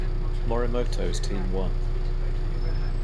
Morimoto's team won.